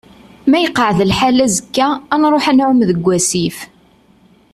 Ma iqeεεed lḥal azekka ad nruḥ ad nεumm deg asif.